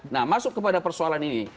nah masuk kepada persoalan ini